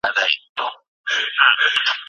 ډیجیټل ډیټا د ژبې لپاره ډېره مهمه ده.